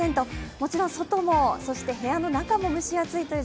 もちろん外も、そして部屋の中も蒸し暑いという